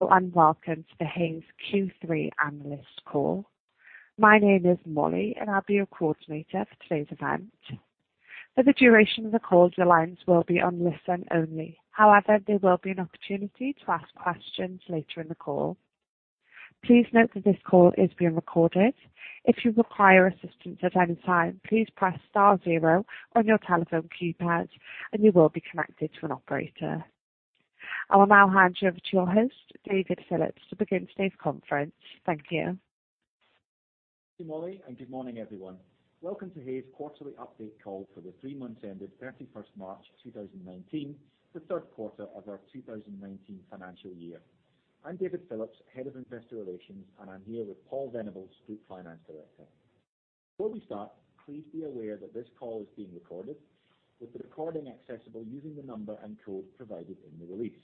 Welcome to the Hays Q3 analyst call. My name is Molly, and I'll be your coordinator for today's event. For the duration of the call, your lines will be on listen only. However, there will be an opportunity to ask questions later in the call. Please note that this call is being recorded. If you require assistance at any time, please press star zero on your telephone keypad, and you will be connected to an operator. I will now hand you over to your host, David Phillips, to begin today's conference. Thank you. Thank you, Molly. Good morning, everyone. Welcome to Hays quarterly update call for the three months ending 31st March 2019, the third quarter of our 2019 financial year. I'm David Phillips, Head of Investor Relations, and I'm here with Paul Venables, Group Finance Director. Before we start, please be aware that this call is being recorded, with the recording accessible using the number and code provided in the release.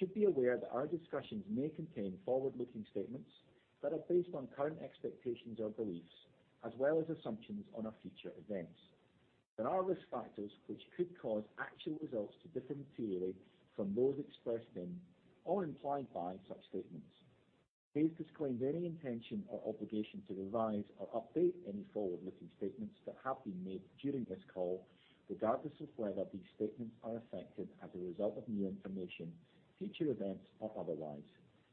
You should be aware that our discussions may contain forward-looking statements that are based on current expectations or beliefs, as well as assumptions on our future events. There are risk factors which could cause actual results to differ materially from those expressed in or implied by such statements. Hays disclaims any intention or obligation to revise or update any forward-looking statements that have been made during this call, regardless of whether these statements are affected as a result of new information, future events, or otherwise.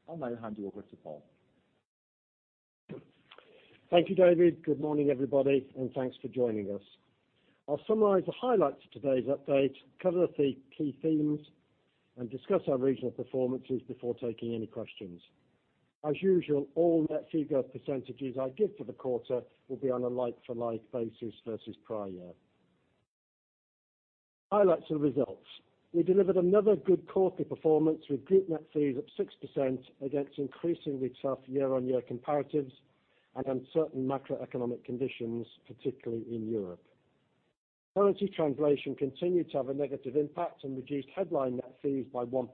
I'll now hand you over to Paul. Thank you, David. Good morning, everybody. Thanks for joining us. I'll summarize the highlights of today's update, cover the key themes, and discuss our regional performances before taking any questions. As usual, all net figure percentages I give for the quarter will be on a like-for-like basis versus prior year. Highlights and results. We delivered another good quarterly performance with group net fees of 6% against increasingly tough year-on-year comparatives and uncertain macroeconomic conditions, particularly in Europe. Currency translation continued to have a negative impact and reduced headline net fees by 1%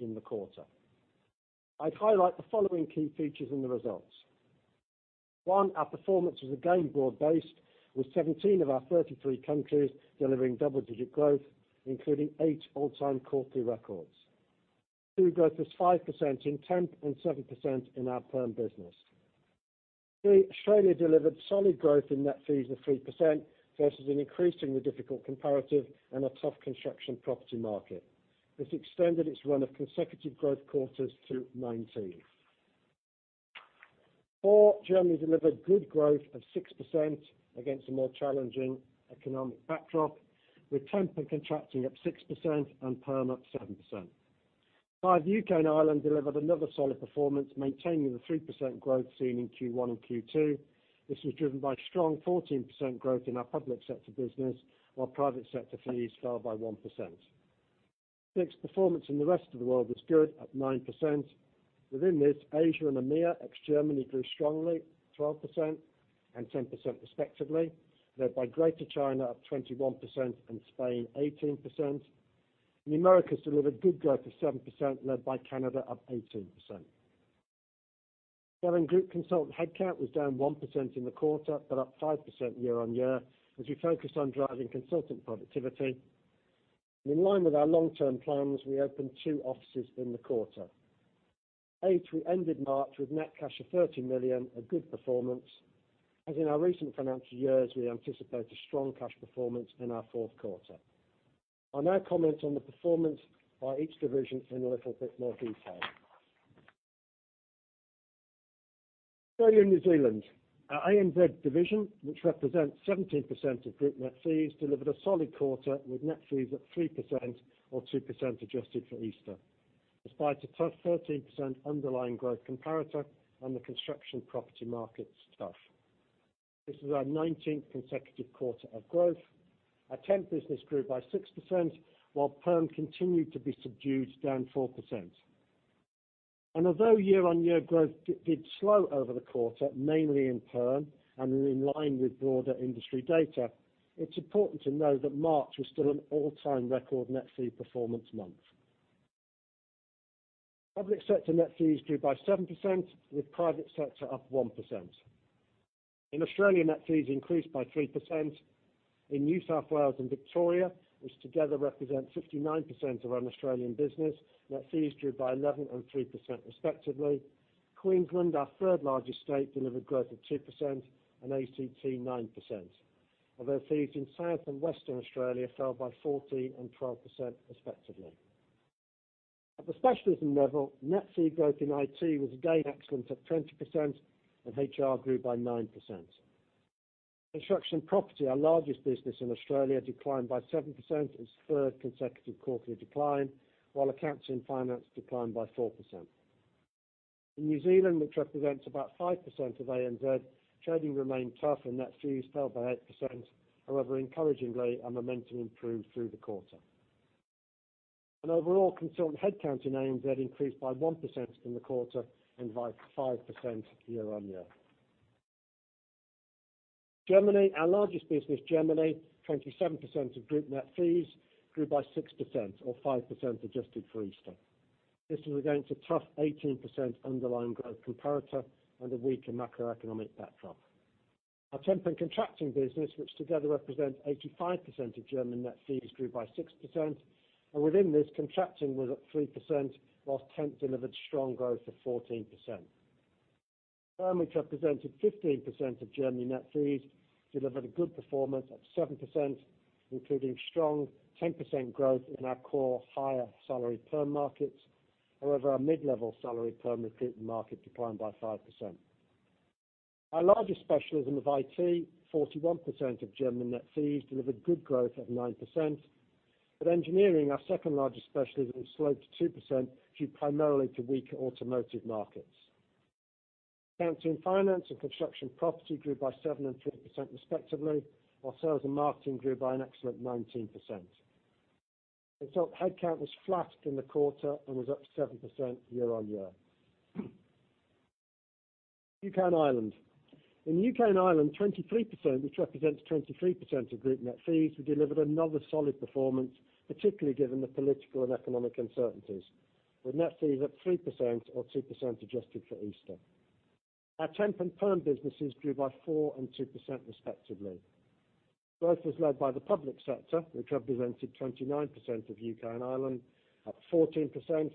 in the quarter. I'd highlight the following key features in the results. One, our performance was again broad-based, with 17 of our 33 countries delivering double-digit growth, including eight all-time quarterly records. Two, growth was 5% in temp and 7% in our perm business. Three, Australia delivered solid growth in net fees of 3% versus an increasingly difficult comparative and a tough construction property market. This extended its run of consecutive growth quarters to 19. Four, Germany delivered good growth of 6% against a more challenging economic backdrop, with temp and contracting up 6% and perm up 7%. Five, U.K. and Ireland delivered another solid performance, maintaining the 3% growth seen in Q1 and Q2. This was driven by strong 14% growth in our public sector business, while private sector fees fell by 1%. Six, performance in the rest of the world was good at 9%. Within this, Asia and EMEA, ex-Germany grew strongly, 12% and 10% respectively, led by Greater China up 21% and Spain 18%. The Americas delivered good growth of 7%, led by Canada up 18%. Seven, group consultant headcount was down 1% in the quarter, but up 5% year-on-year as we focused on driving consultant productivity. In line with our long-term plans, we opened two offices in the quarter. Eight, we ended March with net cash of 30 million, a good performance. As in our recent financial years, we anticipate a strong cash performance in our fourth quarter. I'll now comment on the performance by each division in a little bit more detail. Australia and New Zealand. Our ANZ division, which represents 17% of group net fees, delivered a solid quarter with net fees up 3% or 2% adjusted for Easter, despite a tough 13% underlying growth comparator and the construction property market is tough. This is our 19th consecutive quarter of growth. Our temp business grew by 6%, while perm continued to be subdued, down 4%. Although year-on-year growth did slow over the quarter, mainly in perm and in line with broader industry data, it's important to know that March was still an all-time record net fee performance month. Public sector net fees grew by 7%, with private sector up 1%. In Australia, net fees increased by 3%. In New South Wales and Victoria, which together represent 59% of our Australian business, net fees grew by 11% and 3% respectively. Queensland, our third-largest state, delivered growth of 2% and ACT 9%. Although fees in South and Western Australia fell by 14% and 12% respectively. At the specialism level, net fee growth in IT was again excellent at 20%, and HR grew by 9%. Construction property, our largest business in Australia, declined by 7%, its third consecutive quarterly decline, while accounts and finance declined by 4%. In New Zealand, which represents about 5% of ANZ, trading remained tough and net fees fell by 8%. However, encouragingly, our momentum improved through the quarter. Overall, consultant headcount in ANZ increased by 1% in the quarter and by 5% year-on-year. Germany, our largest business, Germany, 27% of group net fees, grew by 6% or 5% adjusted for Easter. This was against a tough 18% underlying growth comparator and a weaker macroeconomic backdrop. Our temp and contracting business, which together represent 85% of German net fees, grew by 6%. Within this, contracting was up 3%, whilst temp delivered strong growth of 14%. Perm, which represented 15% of Germany net fees, delivered a good performance of 7%, including strong 10% growth in our core higher salary perm markets. However, our mid-level salary perm recruiting market declined by 5%. Our largest specialism of IT, 41% of German net fees, delivered good growth of 9%. Engineering, our second-largest specialism, slowed to 2%, due primarily to weaker automotive markets. Accounting, finance and construction and property grew by 7% and 3% respectively, while sales and marketing grew by an excellent 19%. Consult headcount was flat in the quarter and was up 7% year-on-year. U.K. and Ireland. In U.K. and Ireland, 23%, which represents 23% of group net fees, we delivered another solid performance, particularly given the political and economic uncertainties, with net fees up 3% or 2% adjusted for Easter. Our temp and perm businesses grew by 4% and 2% respectively. Growth was led by the public sector, which represented 29% of U.K. and Ireland, up 14%.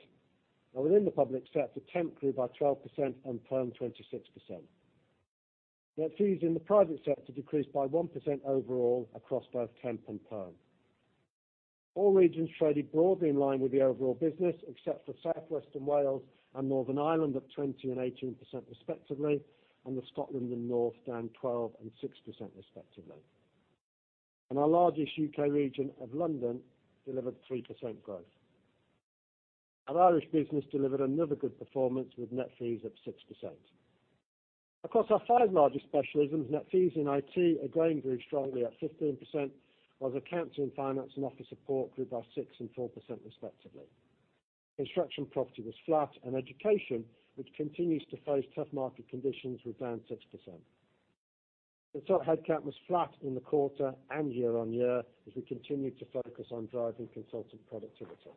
Within the public sector, temp grew by 12% and perm 26%. Net fees in the private sector decreased by 1% overall across both temp and perm. All regions traded broadly in line with the overall business, except for South West and Wales and Northern Ireland, up 20% and 18% respectively, and with Scotland and North down 12% and 6% respectively. Our largest U.K. region of London delivered 3% growth. Our Irish business delivered another good performance, with net fees up 6%. Across our five largest specialisms, net fees in IT, again, grew strongly at 15%, while the accounting, finance and office support grew by 6% and 4% respectively. Construction and property was flat, and education, which continues to face tough market conditions, was down 6%. Consult headcount was flat in the quarter and year-on-year, as we continued to focus on driving consultant productivity.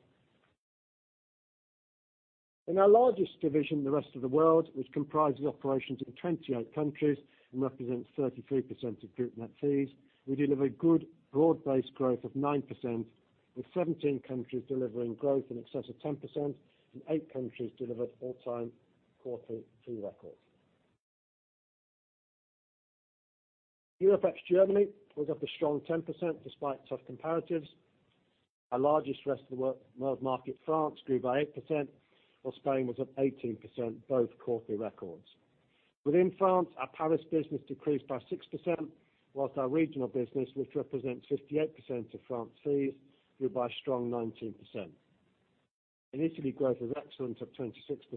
In our largest division, the rest of the world, which comprises operations in 28 countries and represents 33% of group net fees, we delivered good broad-based growth of 9%, with 17 countries delivering growth in excess of 10% and eight countries delivered all-time quarterly fee records. UFX Germany was up a strong 10% despite tough comparatives. Our largest rest-of-the-world market, France, grew by 8%, while Spain was up 18%, both quarterly records. Within France, our Paris business decreased by 6%, whilst our regional business, which represents 58% of France fees, grew by a strong 19%. In Italy, growth was excellent, up 26%,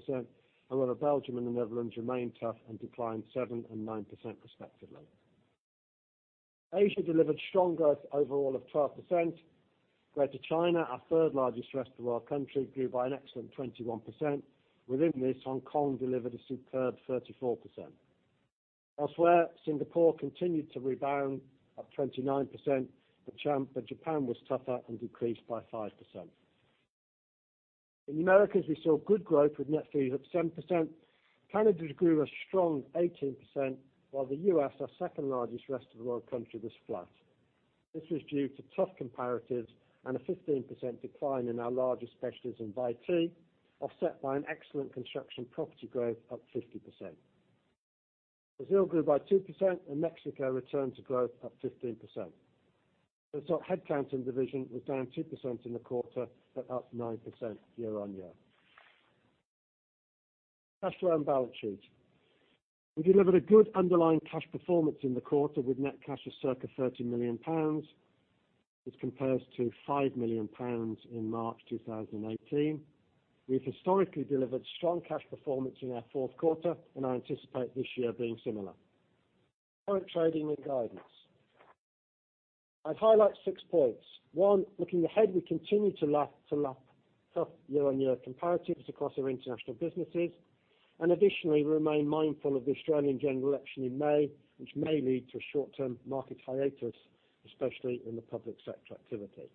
and while Belgium and the Netherlands remained tough and declined 7% and 9% respectively. Asia delivered strong growth overall of 12%. Greater China, our third-largest rest-of-the-world country, grew by an excellent 21%. Within this, Hong Kong delivered a superb 34%. Elsewhere, Singapore continued to rebound, up 29%, but Japan was tougher and decreased by 5%. In the Americas, we saw good growth with net fees up 7%. Canada grew a strong 18%, while the U.S., our second-largest rest-of-the-world country, was flat. This was due to tough comparatives and a 15% decline in our largest specialism, IT, offset by an excellent construction and property growth, up 50%. Brazil grew by 2% and Mexico returned to growth, up 15%. Consult headcount in the division was down 2% in the quarter but up 9% year-on-year. Cash flow and balance sheet. We delivered a good underlying cash performance in the quarter with net cash of circa 30 million pounds. This compares to 5 million pounds in March 2018. We've historically delivered strong cash performance in our fourth quarter, and I anticipate this year being similar. Current trading and guidance. I'd highlight six points. One, looking ahead, we continue to lap tough year-on-year comparatives across our international businesses. Additionally, we remain mindful of the Australian general election in May, which may lead to a short-term market hiatus, especially in the public sector activity.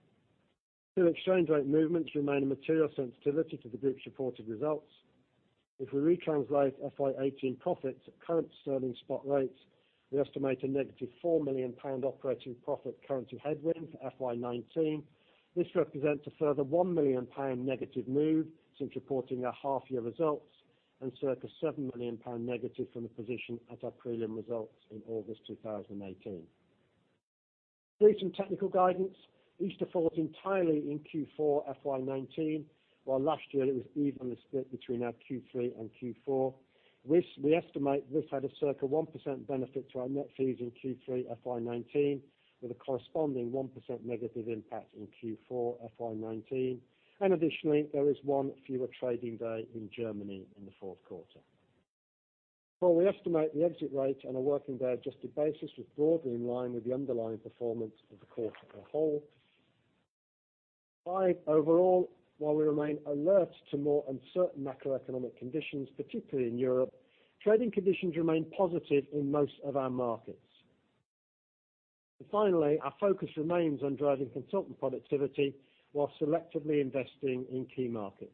Two, exchange rate movements remain a material sensitivity to the group's reported results. If we retranslate FY 2018 profits at current sterling spot rates, we estimate a -4 million pound operating profit currency headwind for FY 2019. This represents a further 1 million pound negative move since reporting our half-year results and circa 7 million pound negative from the position at our prelim results in August 2018. Season technical guidance. Easter falls entirely in Q4 FY 2019, while last year it was evenly split between our Q3 and Q4. We estimate this had a circa 1% benefit to our net fees in Q3 FY 2019, with a corresponding 1% negative impact in Q4 FY 2019. Additionally, there is one fewer trading day in Germany in the fourth quarter. Four, we estimate the exit rate on a working day-adjusted basis was broadly in line with the underlying performance of the quarter as a whole. Five, overall, while we remain alert to more uncertain macroeconomic conditions, particularly in Europe, trading conditions remain positive in most of our markets. Finally, our focus remains on driving consultant productivity while selectively investing in key markets.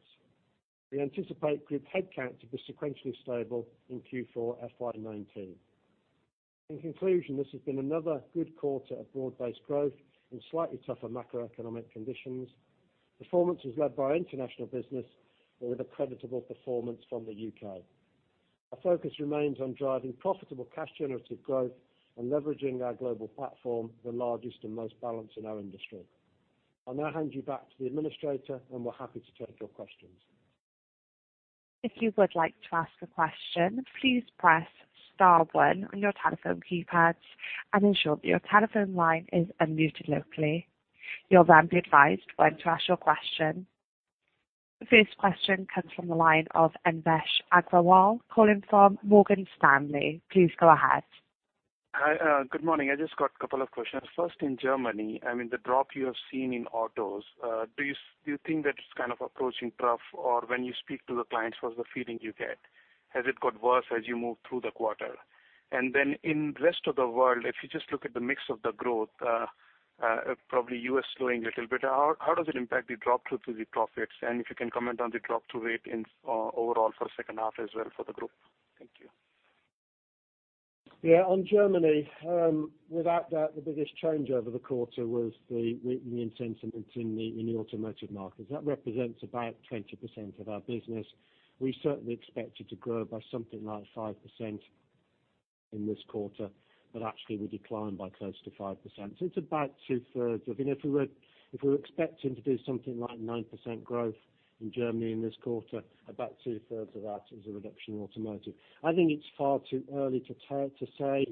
We anticipate group headcount to be sequentially stable in Q4 FY 2019. In conclusion, this has been another good quarter of broad-based growth in slightly tougher macroeconomic conditions. Performance is led by our international business, but with a creditable performance from the U.K. Our focus remains on driving profitable cash generative growth and leveraging our global platform, the largest and most balanced in our industry. I'll now hand you back to the administrator, and we're happy to take your questions. If you would like to ask a question, please press star one on your telephone keypads and ensure that your telephone line is unmuted locally. You'll then be advised when to ask your question. First question comes from the line of Anvesh Agrawal calling from Morgan Stanley. Please go ahead. Hi, good morning. I just got a couple of questions. First, in Germany, the drop you have seen in autos, do you think that it's kind of approaching trough, or when you speak to the clients, what is the feeling you get? Has it got worse as you move through the quarter? If you just look at the mix of the growth, probably U.S. slowing a little bit, how does it impact the drop-through to the profits? If you can comment on the drop-through rate overall for second half as well for the group. Thank you. On Germany, without doubt, the biggest change over the quarter was the weakening sentiment in the automotive markets. That represents about 20% of our business. We certainly expected to grow by something like 5% in this quarter, but actually we declined by close to 5%. It's about two-thirds of it. If we were expecting to do something like 9% growth in Germany in this quarter, about two-thirds of that is a reduction in automotive. I think it's far too early to say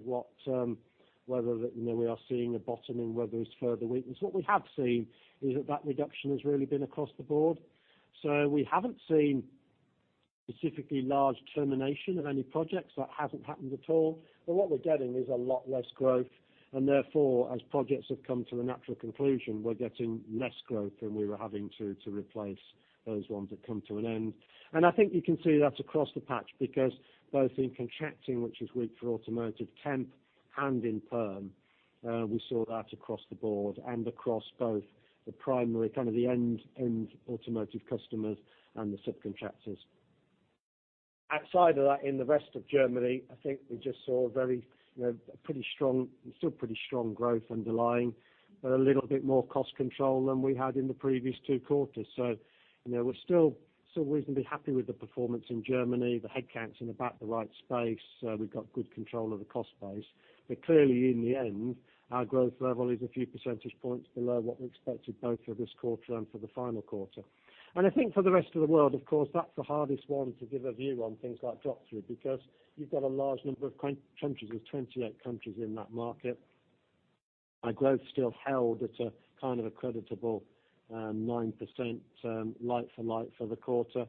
whether we are seeing a bottom and whether it's further weakness. What we have seen is that reduction has really been across the board. We haven't seen specifically large termination of any projects. That hasn't happened at all. What we're getting is a lot less growth, and therefore, as projects have come to the natural conclusion, we're getting less growth than we were having to replace those ones that come to an end. I think you can see that across the patch, because both in contracting, which is weak for automotive temp and in perm, we saw that across the board, and across both the primary end automotive customers and the subcontractors. Outside of that, in the rest of Germany, I think we just saw still pretty strong growth underlying, but a little bit more cost control than we had in the previous two quarters. We're still reasonably happy with the performance in Germany. The headcount's in about the right space. We've got good control of the cost base. Clearly in the end, our growth level is a few percentage points below what we expected both for this quarter and for the final quarter. I think for the rest of the world, of course, that's the hardest one to give a view on things like drop-through, because you've got a large number of countries. There's 28 countries in that market. Our growth still held at a creditable 9% like for like for the quarter.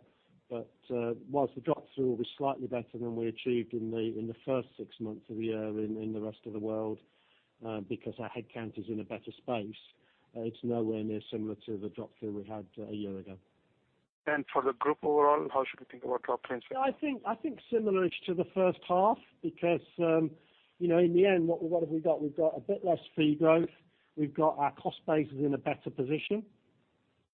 Whilst the drop-through will be slightly better than we achieved in the first six months of the year in the rest of the world, because our headcount is in a better space, it's nowhere near similar to the drop-through we had a year ago. How should we think about drop-through? I think similar-ish to the first half because in the end, what have we got? We've got a bit less fee growth. Our cost base is in a better position.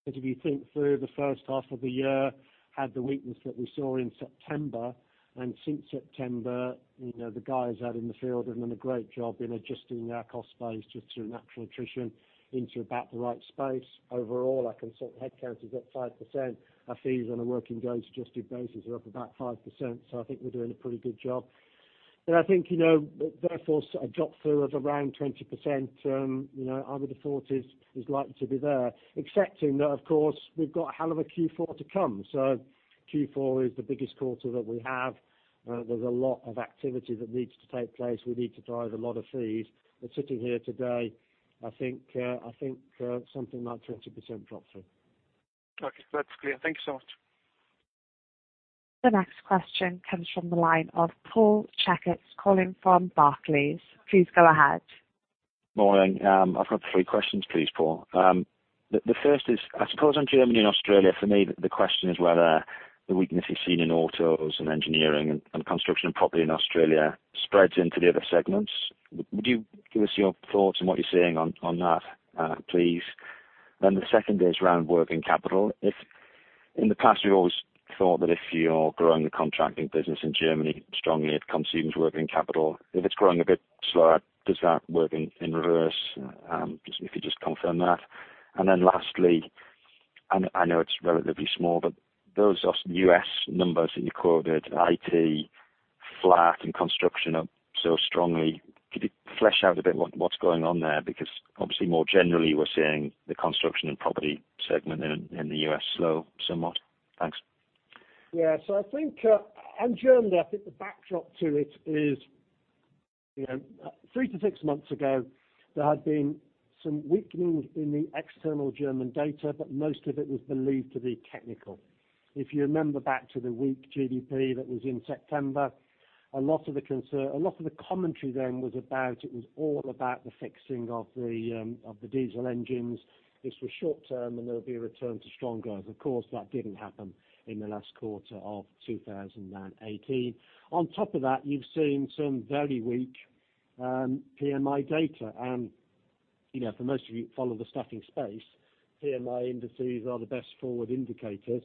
If you think through the first half of the year, had the weakness that we saw in September, and since September, the guys out in the field have done a great job in adjusting our cost base just through natural attrition into about the right space. Overall, our consult headcount is up 5%. Our fees on a working day adjusted basis are up about 5%. I think we're doing a pretty good job. I think therefore, a drop-through of around 20%, I would have thought is likely to be there. Accepting that, of course, we've got a hell of a Q4 to come. Q4 is the biggest quarter that we have. There's a lot of activity that needs to take place. We need to drive a lot of fees. Sitting here today, I think something like 20% drop-through. Okay. That's clear. Thank you so much. The next question comes from the line of Paul Checketts calling from Barclays. Please go ahead. Morning. I've got three questions, please, Paul. The first is, I suppose on Germany and Australia, for me, the question is whether the weakness is seen in autos and engineering and construction and property in Australia spreads into the other segments. Would you give us your thoughts on what you're seeing on that, please? The second is around working capital. In the past, we've always thought that if you're growing the contracting business in Germany strongly, it consumes working capital. If it's growing a bit slower, does that work in reverse? If you just confirm that. Lastly, I know it's relatively small, but those U.S. numbers that you quoted, IT flat and construction up so strongly, could you flesh out a bit what's going on there? Because obviously, more generally, we're seeing the construction and property segment in the U.S. slow somewhat. Thanks. Yeah. I think on Germany, I think the backdrop to it is three to six months ago, there had been some weakening in the external German data, but most of it was believed to be technical. If you remember back to the weak GDP that was in September, a lot of the commentary then was about, it was all about the fixing of the diesel engines. This was short-term, and there will be a return to strong growth. Of course, that didn't happen in the last quarter of 2018. On top of that, you've seen some very weak PMI data. For most of you who follow the staffing space, PMI indices are the best forward indicators.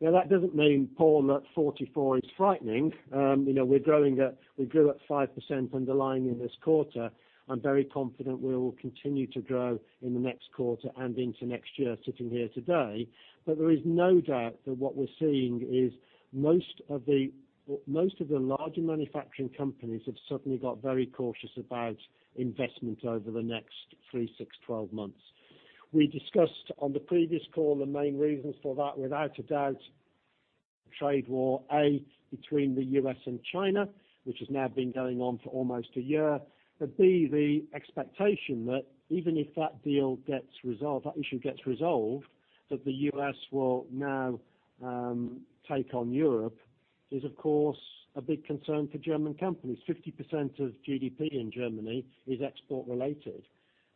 That doesn't mean, Paul, that 44 is frightening. We grew at 5% underlying in this quarter. I'm very confident we will continue to grow in the next quarter and into next year, sitting here today. There is no doubt that what we're seeing is most of the larger manufacturing companies have suddenly got very cautious about investment over the next three, six, 12 months. We discussed on the previous call the main reasons for that. Without a doubt, trade war, A, between the U.S. and China, which has now been going on for almost a year. B, the expectation that even if that issue gets resolved, that the U.S. will now take on Europe, is of course a big concern for German companies. 50% of GDP in Germany is export related.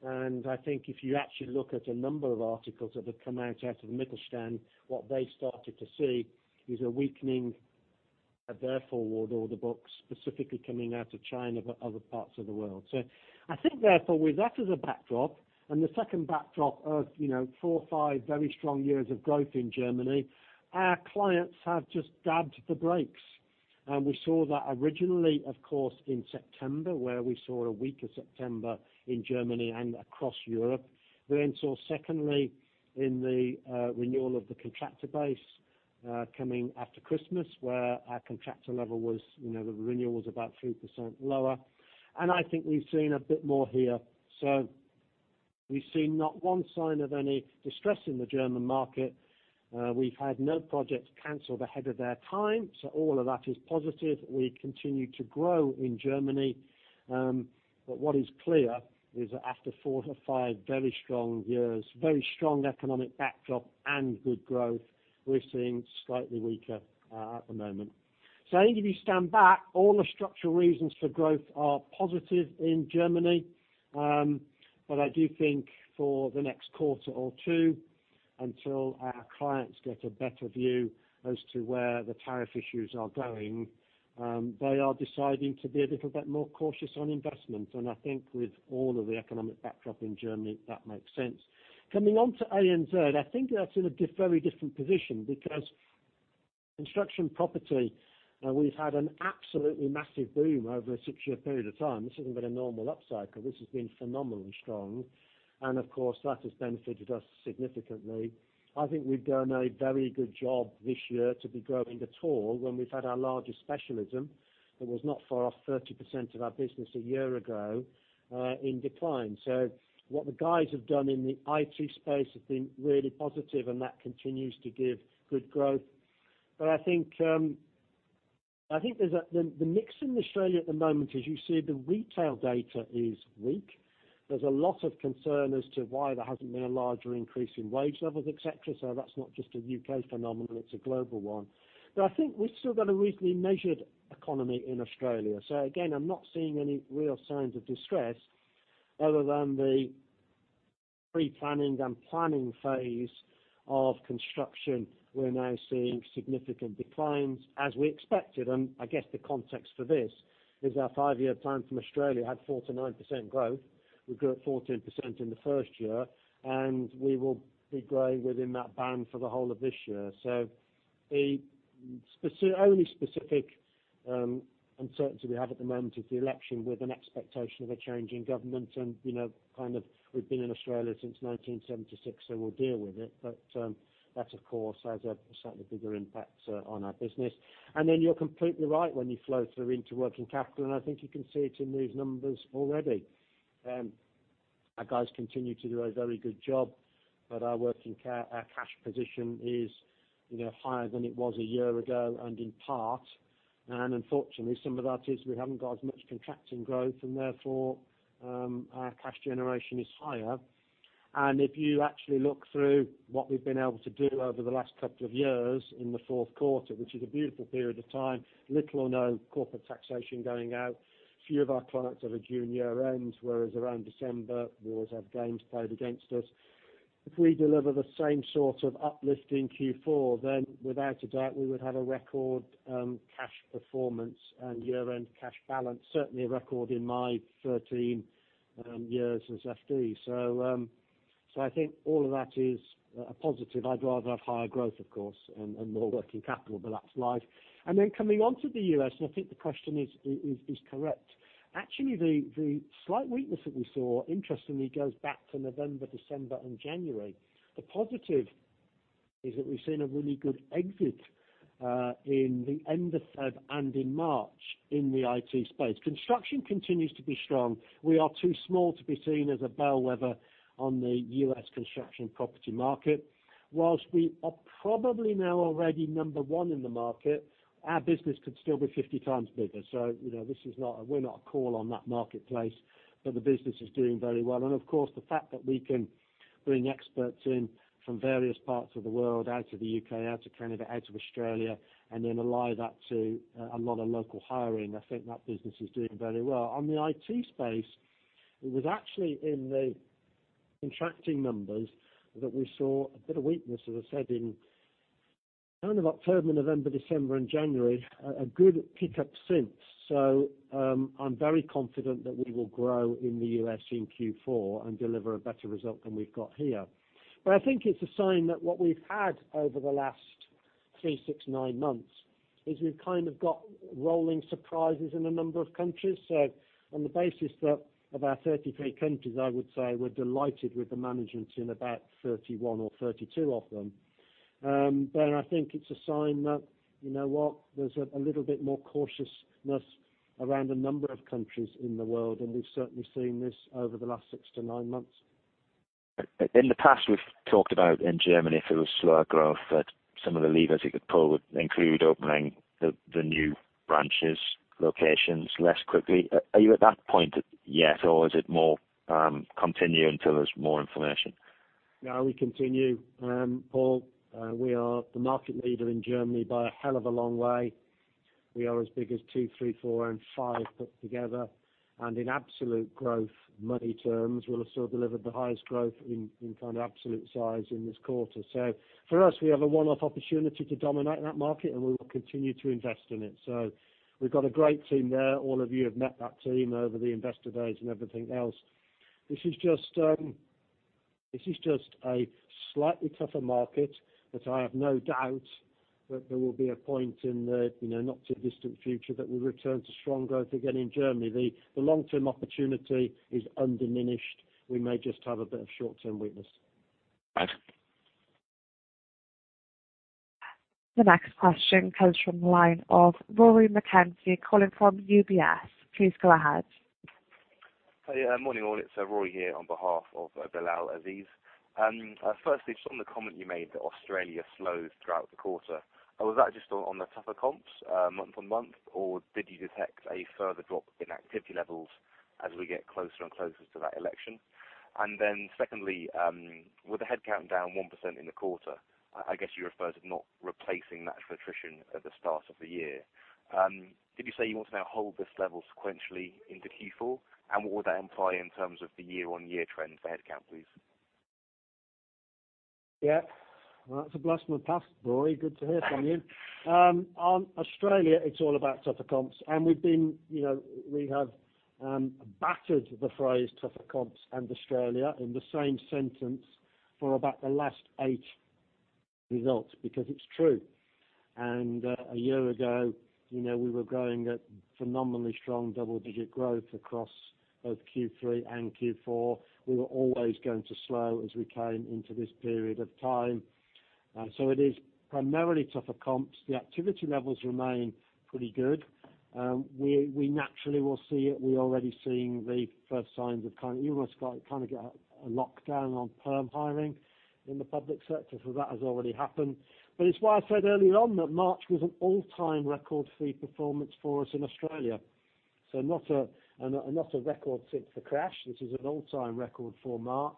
I think if you actually look at a number of articles that have come out of Mittelstand, what they've started to see is a weakening of their forward order books, specifically coming out of China, but other parts of the world. I think therefore, with that as a backdrop and the second backdrop of four or five very strong years of growth in Germany, our clients have just dabbed the brakes. We saw that originally, of course, in September, where we saw a weaker September in Germany and across Europe. Secondly, in the renewal of the contractor base coming after Christmas, where our contractor level, the renewal was about 3% lower. I think we've seen a bit more here. We've seen not one sign of any distress in the German market. We've had no projects canceled ahead of their time, so all of that is positive. We continue to grow in Germany. What is clear is that after four to five very strong years, very strong economic backdrop and good growth, we're seeing slightly weaker at the moment. I think if you stand back, all the structural reasons for growth are positive in Germany. I do think for the next quarter or two, until our clients get a better view as to where the tariff issues are going, they are deciding to be a little bit more cautious on investment. I think with all of the economic backdrop in Germany, that makes sense. Coming on to ANZ, I think that's in a very different position because construction property, we've had an absolutely massive boom over a six-year period of time. This isn't been a normal upcycle. This has been phenomenally strong. Of course, that has benefited us significantly. I think we've done a very good job this year to be growing at all when we've had our largest specialism that was not far off 30% of our business a year ago, in decline. What the guys have done in the IT space has been really positive, and that continues to give good growth. I think the mix in Australia at the moment, as you said, the retail data is weak. There's a lot of concern as to why there hasn't been a larger increase in wage levels, et cetera. That's not just a U.K. phenomenon, it's a global one. I think we've still got a reasonably measured economy in Australia. Again, I'm not seeing any real signs of distress other than the pre-planning and planning phase of construction. We're now seeing significant declines, as we expected. I guess the context for this is our five-year plan from Australia had 4%-9% growth. We grew at 14% in the first year, and we will be growing within that band for the whole of this year. The only specific uncertainty we have at the moment is the election with an expectation of a change in government, and we've been in Australia since 1976, so we'll deal with it. That of course, has a slightly bigger impact on our business. You're completely right when you flow through into working capital, and I think you can see it in these numbers already. Our guys continue to do a very good job, our cash position is higher than it was a year ago and in part, unfortunately, some of that is we haven't got as much contracting growth and therefore, our cash generation is higher. If you actually look through what we've been able to do over the last couple of years in the fourth quarter, which is a beautiful period of time, little or no corporate taxation going out, few of our clients have a June year end, whereas around December, we always have games played against us. If we deliver the same sort of uplift in Q4, without a doubt we would have a record cash performance and year-end cash balance. Certainly a record in my 13 years as FD. I think all of that is a positive. I'd rather have higher growth, of course, and more working capital, but that's life. Coming on to the U.S., I think the question is correct. Actually, the slight weakness that we saw interestingly goes back to November, December and January. The positive is that we've seen a really good exit in the end of Feb and in March in the IT space. Construction continues to be strong. We are too small to be seen as a bellwether on the U.S. construction property market. Whilst we are probably now already number one in the market, our business could still be 50 times bigger. We're not a call on that marketplace, but the business is doing very well. Of course, the fact that we can bring experts in from various parts of the world, out of the U.K., out of Canada, out of Australia, then ally that to a lot of local hiring, I think that business is doing very well. On the IT space, it was actually in the contracting numbers that we saw a bit of weakness, as I said, kind of October, November, December and January, a good pickup since. I'm very confident that we will grow in the U.S. in Q4 and deliver a better result than we've got here. I think it's a sign that what we've had over the last three, six, nine months is we've kind of got rolling surprises in a number of countries. On the basis that of our 33 countries, I would say we're delighted with the management in about 31 or 32 of them. I think it's a sign that, you know what, there's a little bit more cautiousness around a number of countries in the world, and we've certainly seen this over the last six to nine months. In the past, we've talked about in Germany, if it was slower growth, that some of the levers you could pull would include opening the new branches, locations less quickly. Are you at that point yet or is it more continue until there's more information? No, we continue. Paul, we are the market leader in Germany by a hell of a long way. We are as big as two, three, four, and five put together, and in absolute growth money terms, we'll have still delivered the highest growth in kind of absolute size in this quarter. For us, we have a one-off opportunity to dominate that market, and we will continue to invest in it. We've got a great team there. All of you have met that team over the investor days and everything else. This is just a slightly tougher market, I have no doubt that there will be a point in the not too distant future that we'll return to strong growth again in Germany. The long-term opportunity is undiminished. We may just have a bit of short-term weakness. Right. The next question comes from the line of Rory Mackenzie calling from UBS. Please go ahead. Hey, morning all. It's Rory here on behalf of Bilal Aziz. Firstly, just on the comment you made that Australia slowed throughout the quarter. Was that just on the tougher comps month-on-month, or did you detect a further drop in activity levels as we get closer and closer to that election? Secondly, with the headcount down 1% in the quarter, I guess you referred to not replacing that attrition at the start of the year. Did you say you want to now hold this level sequentially into Q4? What would that imply in terms of the year-on-year trend for headcount, please? Yeah. That's a blast from the past, Rory. Good to hear from you. On Australia, it's all about tougher comps. We have battered the phrase tougher comps and Australia in the same sentence for about the last eight results because it's true. A year ago, we were growing at phenomenally strong double-digit growth across both Q3 and Q4. We were always going to slow as we came into this period of time. It is primarily tougher comps. The activity levels remain pretty good. We naturally will see it. We're already seeing the first signs of kind of, you almost kind of get a lockdown on perm hiring in the public sector. That has already happened. It's why I said early on that March was an all-time record fee performance for us in Australia. Not a record since the crash. This is an all-time record for March,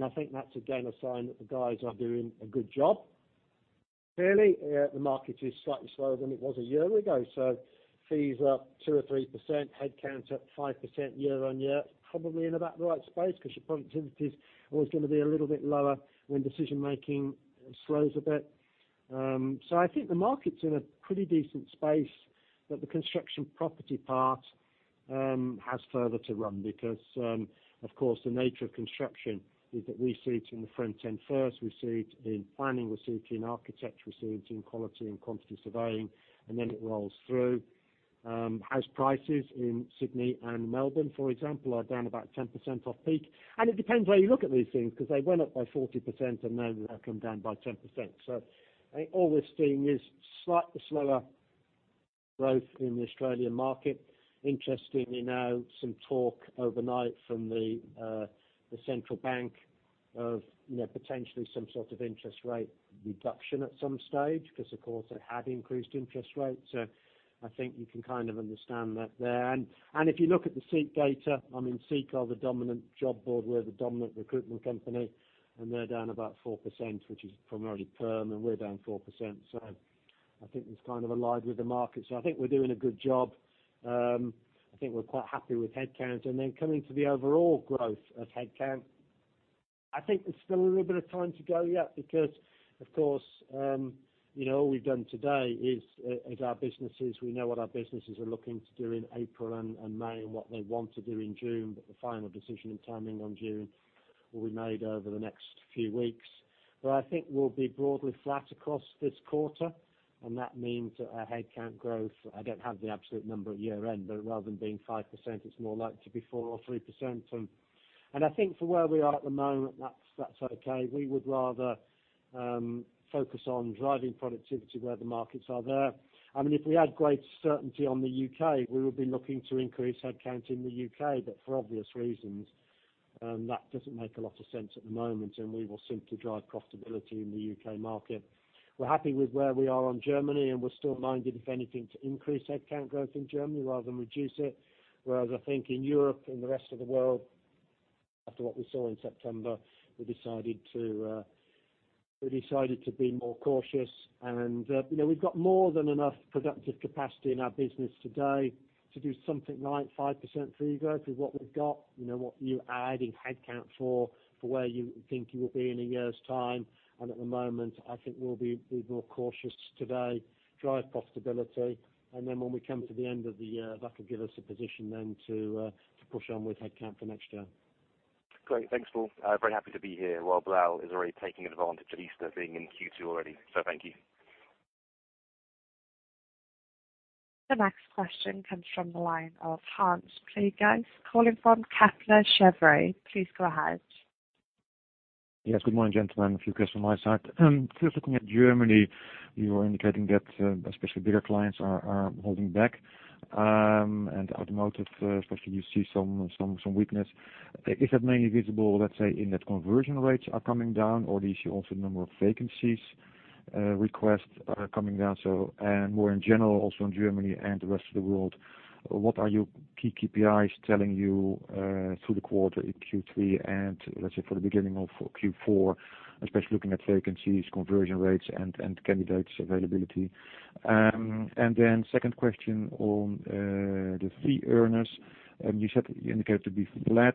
I think that's again, a sign that the guys are doing a good job. Clearly, the market is slightly slower than it was a year ago, fees are 2% or 3%, headcount up 5% year-on-year, probably in about the right space because your productivity's always going to be a little bit lower when decision-making slows a bit. I think the market's in a pretty decent space, but the construction property part has further to run because, of course, the nature of construction is that we see it in the front end first. We see it in planning, we see it in architecture, we see it in quality and quantity surveying, and then it rolls through. House prices in Sydney and Melbourne, for example, are down about 10% off peak. It depends where you look at these things because they went up by 40% and now they've come down by 10%. All we're seeing is slightly slower growth in the Australian market. Interestingly, now, some talk overnight from the central bank of potentially some sort of interest rate reduction at some stage because of course they have increased interest rates. I think you can kind of understand that there. If you look at the SEEK data, SEEK are the dominant job board, we're the dominant recruitment company, and they're down about 4%, which is primarily perm, and we're down 4%. I think that's kind of aligned with the market. I think we're doing a good job. I think we're quite happy with headcount. Coming to the overall growth of headcount, I think there's still a little bit of time to go yet because, of course, all we've done today is at our businesses. We know what our businesses are looking to do in April and May and what they want to do in June. The final decision and timing on June will be made over the next few weeks. I think we'll be broadly flat across this quarter, and that means that our headcount growth, I don't have the absolute number at year end, rather than being 5%, it's more likely to be 4% or 3%. I think for where we are at the moment, that's okay. We would rather focus on driving productivity where the markets are there. If we had greater certainty on the U.K., we would be looking to increase headcount in the U.K. For obvious reasons, that doesn't make a lot of sense at the moment, and we will simply drive profitability in the U.K. market. We're happy with where we are on Germany, and we're still minded, if anything, to increase headcount growth in Germany rather than reduce it. Whereas I think in Europe and the rest of the world. After what we saw in September, we decided to be more cautious. We've got more than enough productive capacity in our business today to do something like 5% fee growth with what we've got, what you're adding headcount for where you think you will be in a year's time. At the moment, I think we'll be more cautious today, drive profitability, and then when we come to the end of the year, that will give us a position then to push on with headcount for next year. Great. Thanks, Paul. Very happy to be here while Bilal is already taking advantage of Easter being in Q2 already. Thank you. The next question comes from the line of Hans Pluijgers, calling from Kepler Cheuvreux. Please go ahead. Yes, good morning, gentlemen. A few questions from my side. First, looking at Germany, you are indicating that especially bigger clients are holding back. Automotive, especially, you see some weakness. Is that mainly visible, let's say, in that conversion rates are coming down? Or do you see also the number of vacancies requests are coming down? More in general, also in Germany and the rest of the world, what are your key KPIs telling you through the quarter in Q3 and, let's say, for the beginning of Q4, especially looking at vacancies, conversion rates, and candidates availability? Then second question on the fee earners. You indicated to be flat.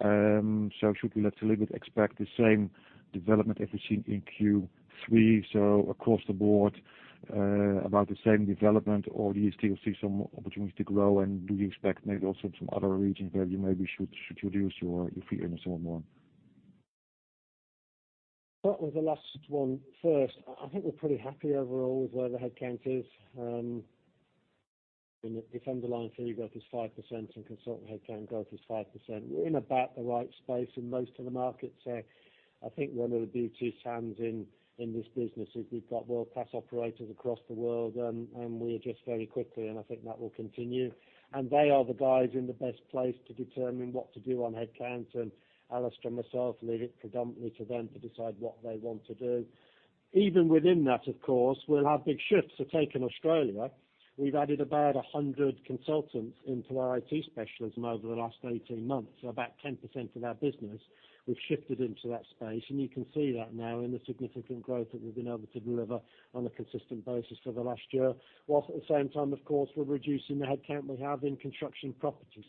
Should we expect the same development as we've seen in Q3? Across the board, about the same development, or do you still see some opportunity to grow? Do you expect maybe also some other regions where you maybe should reduce your fee earners or more? Start with the last one first. I think we're pretty happy overall with where the headcount is. If underlying fee growth is 5% and consultant headcount growth is 5%, we're in about the right space in most of the markets. I think one of the beauties, Hans, in this business is we've got world-class operators across the world, and we adjust very quickly, and I think that will continue. They are the guys in the best place to determine what to do on headcount, and Alistair and myself leave it predominantly to them to decide what they want to do. Even within that, of course, we'll have big shifts. Take in Australia, we've added about 100 consultants into our IT specialism over the last 18 months. About 10% of our business, we've shifted into that space. You can see that now in the significant growth that we've been able to deliver on a consistent basis for the last year. Whilst at the same time, of course, we're reducing the headcount we have in construction property.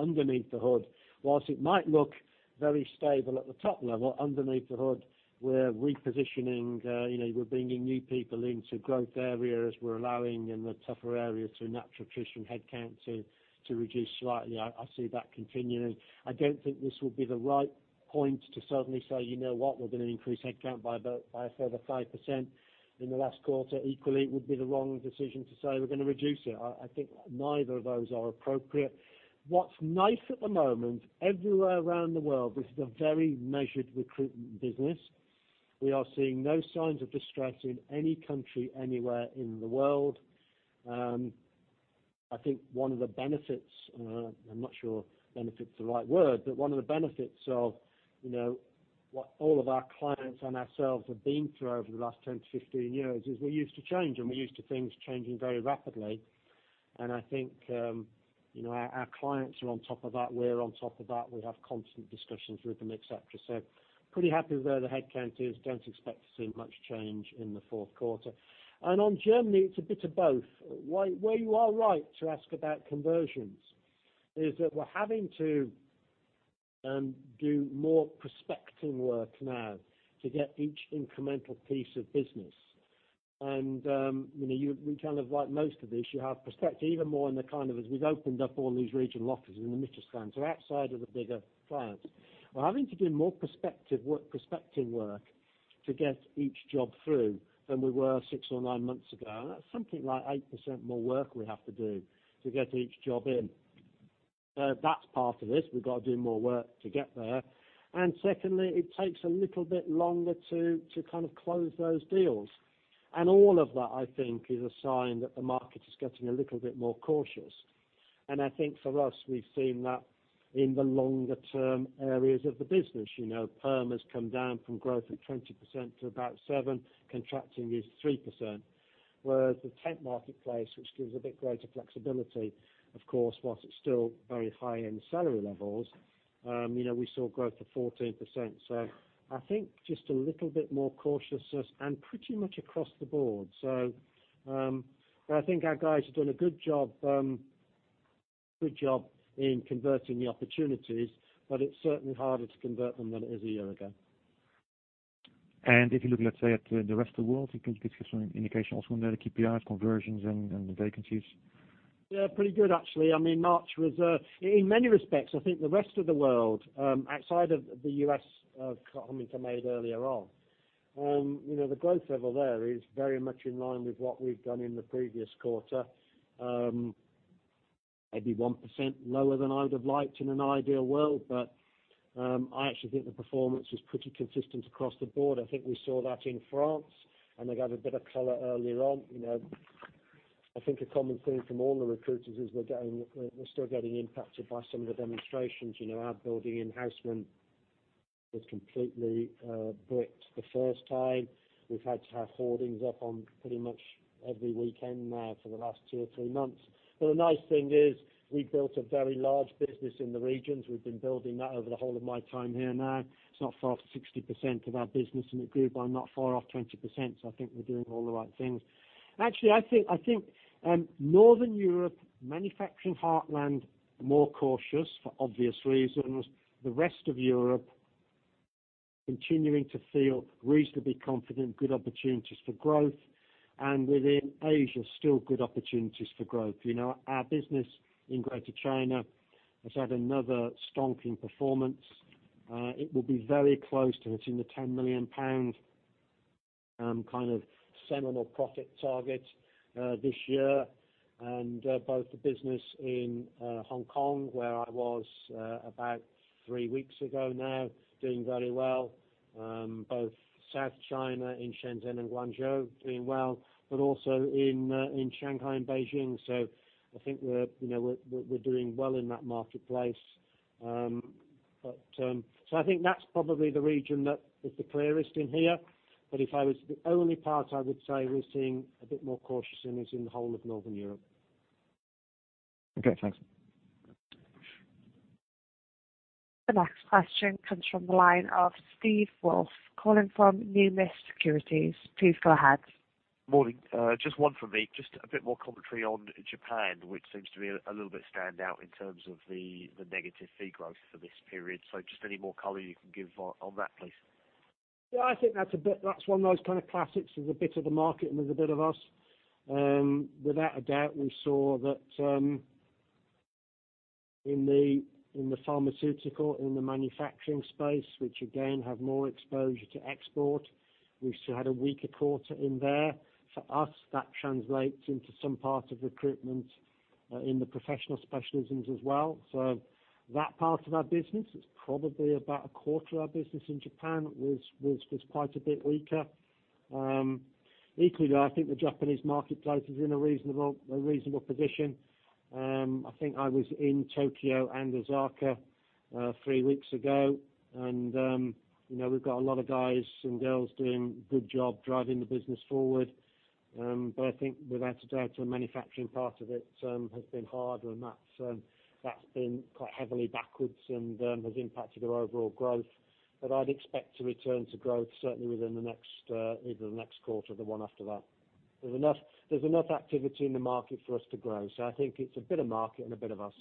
Underneath the hood, whilst it might look very stable at the top level, underneath the hood, we're repositioning. We're bringing new people into growth areas. We're allowing in the tougher areas for natural attrition headcount to reduce slightly. I see that continuing. I don't think this would be the right point to suddenly say, "You know what? We're going to increase headcount by a further 5% in the last quarter." Equally, it would be the wrong decision to say, "We're going to reduce it." I think neither of those are appropriate. What's nice at the moment, everywhere around the world, this is a very measured recruitment business. We are seeing no signs of distress in any country anywhere in the world. I think one of the benefits, I'm not sure benefit's the right word, but one of the benefits of what all of our clients and ourselves have been through over the last 10 to 15 years is we're used to change, and we're used to things changing very rapidly. I think our clients are on top of that. We're on top of that. We have constant discussions with them, et cetera. Pretty happy where the headcount is. Don't expect to see much change in the fourth quarter. On Germany, it's a bit of both. Where you are right to ask about conversions is that we're having to do more prospecting work now to get each incremental piece of business. We kind of, like most of this, you have prospective even more in the kind of as we've opened up all these regional offices in the Mittelstand, so outside of the bigger clients. We're having to do more prospective work, prospecting work to get each job through than we were six or nine months ago. That's something like 8% more work we have to do to get each job in. That's part of this. We've got to do more work to get there. Secondly, it takes a little bit longer to kind of close those deals. All of that, I think, is a sign that the market is getting a little bit more cautious. I think for us, we've seen that in the longer-term areas of the business. Perm has come down from growth of 20% to about 7%. Contracting is 3%. Whereas the temp marketplace, which gives a bit greater flexibility, of course, whilst it's still very high in salary levels, we saw growth of 14%. I think just a little bit more cautiousness and pretty much across the board. I think our guys have done a good job in converting the opportunities, but it's certainly harder to convert them than it was a year ago. If you look, let's say, at the rest of the world, you could give some indication also on the KPIs, conversions, and the vacancies? Yeah, pretty good, actually. In many respects, I think the rest of the world, outside of the U.S. comment I made earlier on, the growth level there is very much in line with what we've done in the previous quarter. Maybe 1% lower than I would have liked in an ideal world, but I actually think the performance was pretty consistent across the board. I think we saw that in France, I gave a bit of color earlier on. I think a common theme from all the recruiters is we're still getting impacted by some of the demonstrations. Our building in Haussmann was completely bricked the first time. We've had to have hoardings up on pretty much every weekend now for the last two or three months. The nice thing is we've built a very large business in the regions. We've been building that over the whole of my time here now. It's not far off 60% of our business, and it grew by not far off 20%. I think we're doing all the right things. Actually, I think Northern Europe manufacturing heartland, more cautious for obvious reasons. The rest of Europe, continuing to feel reasonably confident, good opportunities for growth. Within Asia, still good opportunities for growth. Our business in Greater China has had another stonking performance. It will be very close to hitting the 10 million pounds kind of seminal profit target this year. Both the business in Hong Kong, where I was about three weeks ago now, doing very well. Both South China in Shenzhen and Guangzhou doing well, but also in Shanghai and Beijing. I think we're doing well in that marketplace. I think that's probably the region that is the clearest in here. The only part I would say we're seeing a bit more cautious in is in the whole of Northern Europe. Okay, thanks. The next question comes from the line of Steve Woolf, calling from Numis Securities. Please go ahead. Morning. Just one from me. Just a bit more commentary on Japan, which seems to be a little bit standout in terms of the negative fee growth for this period. Just any more color you can give on that, please. Yeah, I think that's one of those kind of classics. There's a bit of the market, and there's a bit of us. Without a doubt, we saw that in the pharmaceutical, in the manufacturing space, which again, have more exposure to export, we still had a weaker quarter in there. For us, that translates into some part of recruitment in the professional specialisms as well. That part of our business is probably about a quarter of our business in Japan was quite a bit weaker. Equally, though, I think the Japanese marketplace is in a reasonable position. I think I was in Tokyo and Osaka three weeks ago, and we've got a lot of guys and girls doing a good job driving the business forward. I think without a doubt, the manufacturing part of it has been hard, and that's been quite heavily backwards and has impacted our overall growth. I'd expect to return to growth certainly within either the next quarter or the one after that. There's enough activity in the market for us to grow, I think it's a bit of market and a bit of us.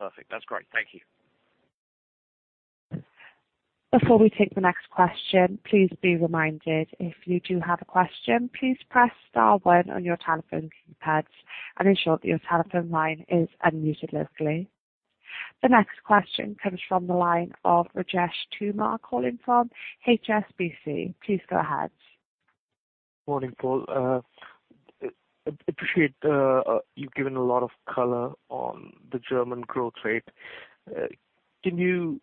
Perfect. That's great. Thank you. Before we take the next question, please be reminded, if you do have a question, please press star one on your telephone keypads and ensure that your telephone line is unmuted locally. The next question comes from the line of Rajesh Kumar calling from HSBC. Please go ahead. Morning, Paul. Appreciate you've given a lot of color on the German growth rate. Can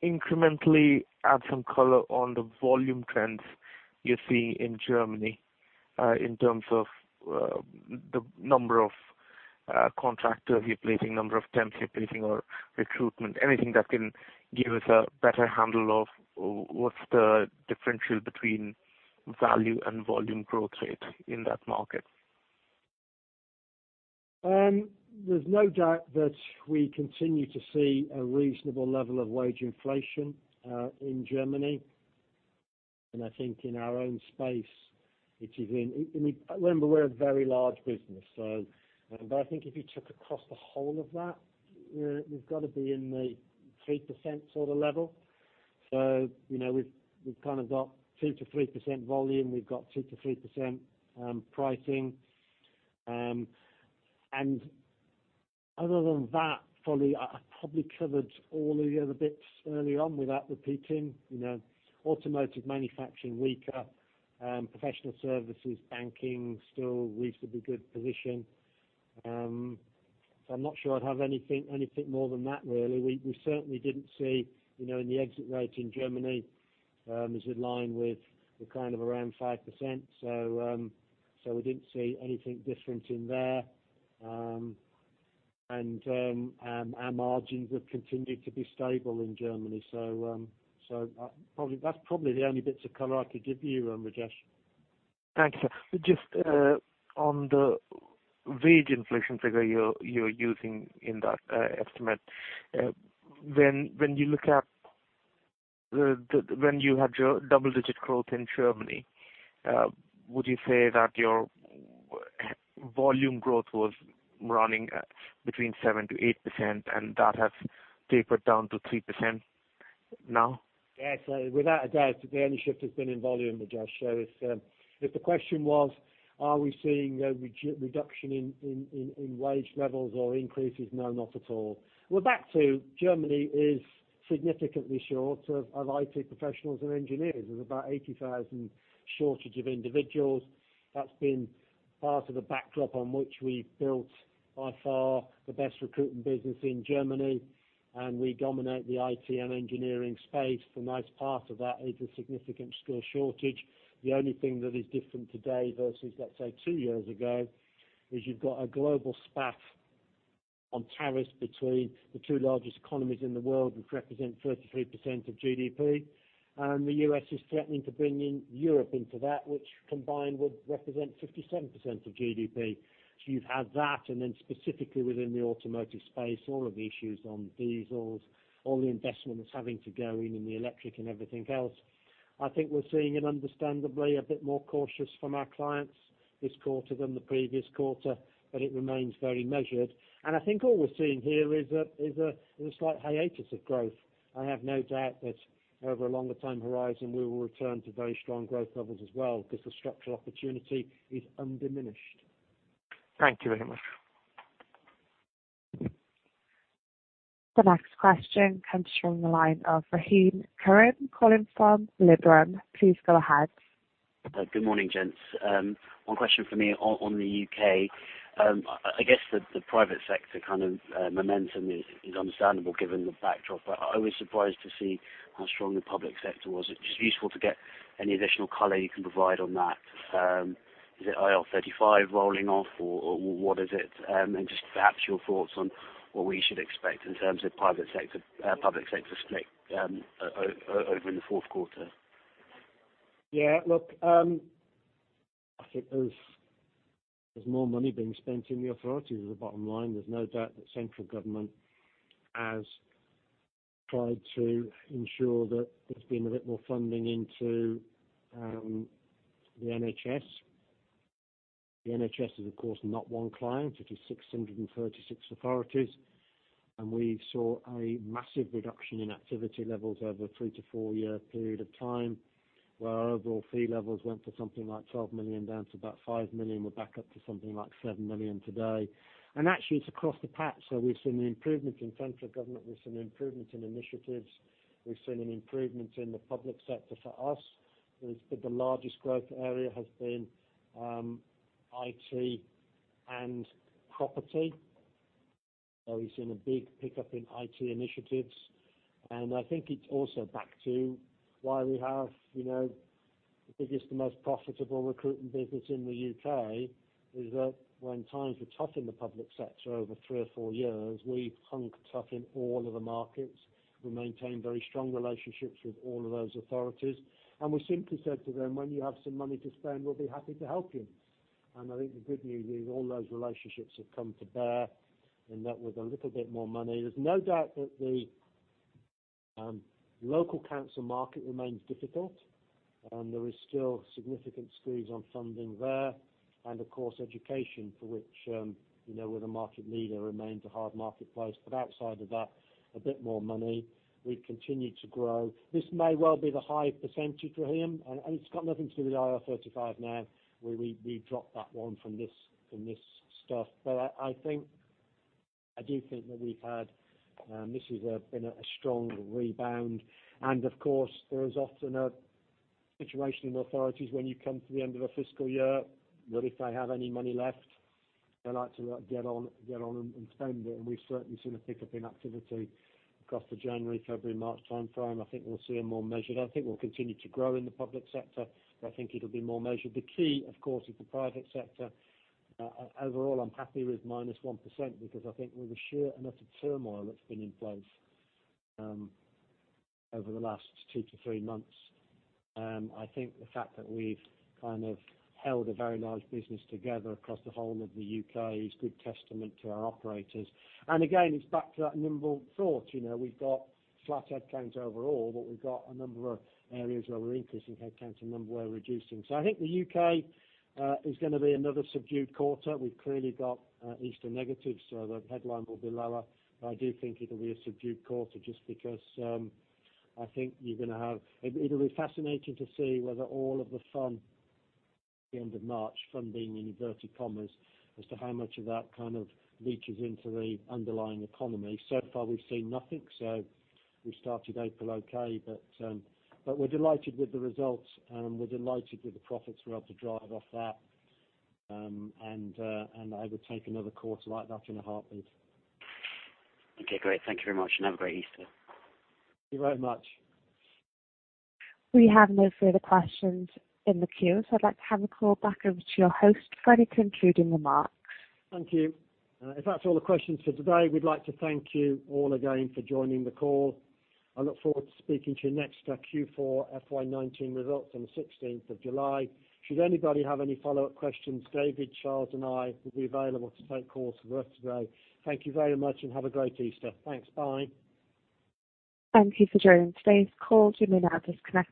you incrementally add some color on the volume trends you're seeing in Germany in terms of the number of contractors you're placing, number of temps you're placing or recruitment? Anything that can give us a better handle of what's the differential between value and volume growth rate in that market. There's no doubt that we continue to see a reasonable level of wage inflation in Germany. I think in our own space, remember, we're a very large business. I think if you took across the whole of that, we've got to be in the 3% sort of level. We've kind of got 2%-3% volume. We've got 2%-3% pricing. Other than that, probably, I probably covered all the other bits early on without repeating. Automotive manufacturing weaker. Professional services, banking, still reasonably good position. I'm not sure I'd have anything more than that, really. We certainly didn't see in the exit rate in Germany, is in line with kind of around 5%, so we didn't see anything different in there. Our margins have continued to be stable in Germany. That's probably the only bits of color I could give you, Rajesh. Thanks. Just on the wage inflation figure you're using in that estimate. When you had your double-digit growth in Germany, would you say that your volume growth was running between 7%-8% and that has tapered down to 3% now? Yes. Without a doubt, the only shift has been in volume, Rajesh. If the question was, are we seeing a reduction in wage levels or increases? No, not at all. We're back to Germany is significantly short of IT professionals and engineers. There's about 80,000 shortage of individuals. That's been part of the backdrop on which we built by far the best recruiting business in Germany, and we dominate the IT and engineering space for a nice part of that. It's a significant skill shortage. The only thing that is different today versus, let's say, two years ago, is you've got a global spat on tariffs between the two largest economies in the world, which represent 33% of GDP. The U.S. is threatening to bring in Europe into that, which combined would represent 57% of GDP. You have that, then specifically within the automotive space, all of the issues on diesels, all the investment that's having to go in the electric and everything else. I think we're seeing, and understandably, a bit more cautious from our clients this quarter than the previous quarter, but it remains very measured. I think all we're seeing here is a slight hiatus of growth. I have no doubt that over a longer time horizon, we will return to very strong growth levels as well, because the structural opportunity is undiminished. Thank you very much. The next question comes from the line of Rahim Karim calling from Liberum. Please go ahead. Good morning, gents. One question from me on the U.K. I guess the private sector kind of momentum is understandable given the backdrop, but I was surprised to see how strong the public sector was. It's just useful to get any additional color you can provide on that. Is it IR35 rolling off or what is it? Perhaps your thoughts on what we should expect in terms of public sector split over in the fourth quarter. Look, I think there's more money being spent in the authorities is the bottom line. There's no doubt that central government has tried to ensure that there's been a bit more funding into the NHS. The NHS is, of course, not one client. It is 636 authorities. We saw a massive reduction in activity levels over a three to four-year period of time, where our overall fee levels went from something like 12 million down to about 5 million. We're back up to something like 7 million today. Actually, it's across the patch. We've seen the improvements in central government. We've seen improvement in initiatives. We've seen an improvement in the public sector for us. The largest growth area has been IT and property. We've seen a big pickup in IT initiatives. I think it's also back to why we have the biggest and most profitable recruiting business in the U.K., is that when times were tough in the public sector over three or four years, we hung tough in all of the markets. We maintained very strong relationships with all of those authorities. We simply said to them, "When you have some money to spend, we'll be happy to help you." I think the good news is all those relationships have come to bear, and that with a little bit more money. There's no doubt that the local council market remains difficult, and there is still significant squeeze on funding there. Of course, education, for which we're the market leader, remains a hard marketplace. Outside of that, a bit more money. We continue to grow. This may well be the high percentage, Rahim. It's got nothing to do with IR35 now. We dropped that one from this stuff. I do think that this has been a strong rebound. Of course, there is often a situation in authorities when you come to the end of a fiscal year, that if they have any money left, they like to get on and spend it, and we've certainly seen a pickup in activity across the January, February, March timeframe. I think we'll see a more measured I think we'll continue to grow in the public sector, but I think it'll be more measured. The key, of course, is the private sector. Overall, I'm happy with -1% because I think with the sheer amount of turmoil that's been in place over the last two to three months, I think the fact that we've kind of held a very large business together across the whole of the U.K. is good testament to our operators. Again, it's back to that nimble thought. We've got flat headcounts overall, but we've got a number of areas where we're increasing headcounts, a number where we're reducing. I think the U.K. is going to be another subdued quarter. We've clearly got Easter negatives, so the headline will be lower. I do think it'll be a subdued quarter just because it'll be fascinating to see whether all of the fun at the end of March, fun being in inverted commas, as to how much of that kind of leaches into the underlying economy. So far, we've seen nothing, so we started April okay. We're delighted with the results, and we're delighted with the profits we're able to drive off that. I would take another quarter like that in a heartbeat. Okay, great. Thank you very much, and have a great Easter. Thank you very much. We have no further questions in the queue, so I'd like to hand the call back over to your host for any concluding remarks. Thank you. If that's all the questions for today, we'd like to thank you all again for joining the call. I look forward to speaking to you next at Q4 FY19 results on the 16th of July. Should anybody have any follow-up questions, David, Charles, and I will be available to take calls the rest of the day. Thank you very much and have a great Easter. Thanks. Bye. Thank you for joining today's call. You may now disconnect.